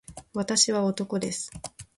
私は男です